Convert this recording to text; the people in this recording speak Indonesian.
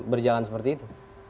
berjalan seperti itu